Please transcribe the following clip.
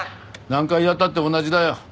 何回やったって同じだよ。